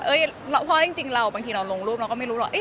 เพราะจริงเราบางทีเราลงรูปเราก็ไม่รู้หรอก